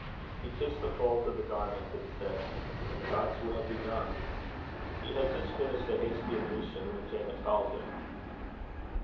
He kissed the folds of the garment, and said: "God's will be done." He had just finished a hasty ablution when Janet called him.